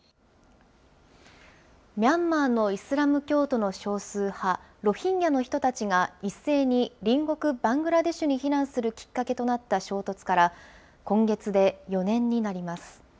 ミャンマーのイスラム教徒の少数派、ロヒンギャの人たちが一斉に隣国バングラデシュに避難するきっかけとなった衝突から、今月で４年になります。